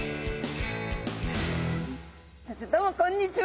どうもこんにちは！